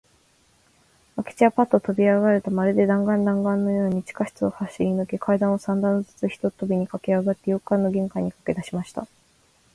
明智はパッととびあがると、まるで弾丸だんがんのように、地下室を走りぬけ、階段を三段ずつ一とびにかけあがって、洋館の玄関にかけだしました。